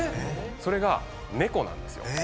それが猫なんですよ。